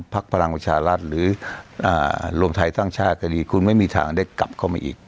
พลังวิชารัฐหรืออ่าโลมไทยตั้งชาติคุณไม่มีทางได้กลับเข้ามาอีก